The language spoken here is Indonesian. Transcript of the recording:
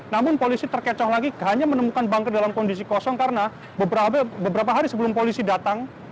namun polisi terkecoh lagi hanya menemukan banker dalam kondisi kosong karena beberapa hari sebelum polisi datang